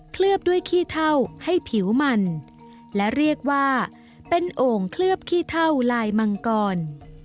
ลือบด้วยขี้เท่าให้ผิวมันและเรียกว่าเป็นโอ่งเคลือบขี้เท่าลายมังกร